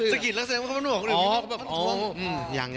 สกิดแล้วเสียงมันต้องบอกคนอื่น